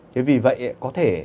thế vì vậy có thể